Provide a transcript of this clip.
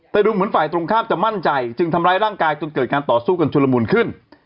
แต่ดูเหมือนฝ่ายตรงข้ามจะมั่นใจจึงทำร้ายร่างกายจนเกิดการต่อสู้กันชุลมุนขึ้น